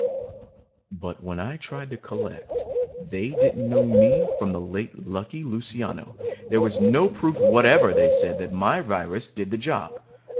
But when I tried to collect, they didn't know me from the late Lucky Luciano. There was no proof whatever, they said, that my virus did the job.